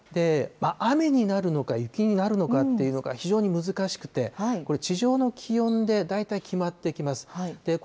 雨になるのか雪になるのかっていうのが非常に難しくて、これ、地上の気温で大体決まってきます。